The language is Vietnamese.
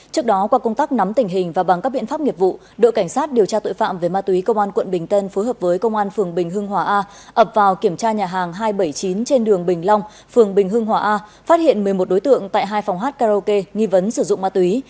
trước đó qua công tác nắm tình hình và bằng các biện pháp nghiệp vụ đội cảnh sát điều tra tội phạm về ma túy công an quận bình tân phối hợp với công an phường bình hưng hòa a ập vào kiểm tra nhà hàng hai trăm bảy mươi chín trên đường bình long phường bình hưng hòa a phát hiện một mươi một đối tượng tại hai phòng hát karaoke nghi vấn sử dụng ma túy